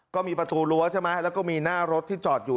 ก็มีประตูรั้วใช่ไหมแล้วก็มีหน้ารถที่จอดอยู่